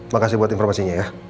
makasih buat informasinya ya